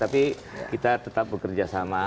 tapi kita tetap bekerja sama